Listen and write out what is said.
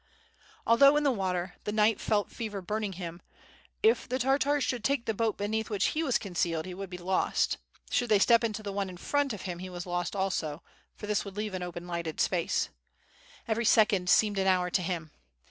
'' Although in the water the knight felt fever burning him; if the Tartars should take the boat beneath which he was concealed he would be lo?$t; should they step into the one in front of him, he was lost also, for this would leave an open lighted space. Every second seeemed an hour to him.